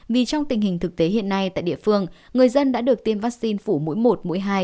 vì trong tình hình thực tế hiện nay tại địa phương người dân đã được tiêm vaccine phủ mũi một mũi hai